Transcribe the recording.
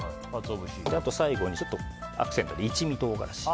あと、最後にアクセントに一味唐辛子。